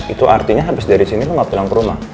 itu artinya habis dari sini rumah pulang ke rumah